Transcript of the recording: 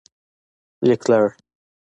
لیکلړ